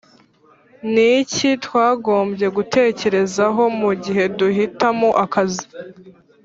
Ni iki twagombye gutekerezaho mu gihe duhitamo akazi